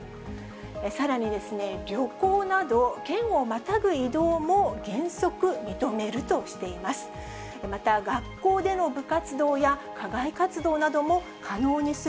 さらに旅行など、県をまたぐ移動も原則認めるとしています。